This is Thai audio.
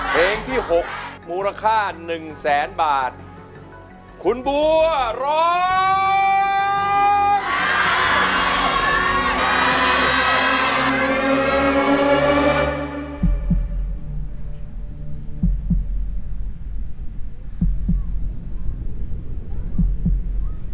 เพลงที่หกมูลค่าหนึ่งแสนบาทคุณบัวร้อง